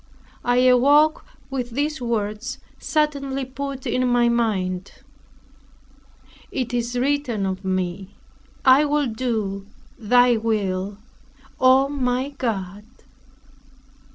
I awoke with these words suddenly put in my mind, "It is written of me, I will do thy will, O my God."